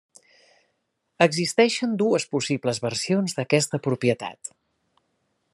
Existeixen dues possibles versions d'aquesta propietat.